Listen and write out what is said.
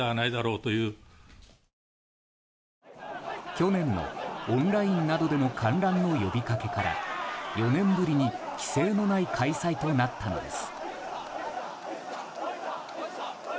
去年のオンラインなどでの観覧の呼びかけから４年ぶりに規制のない開催となったのです。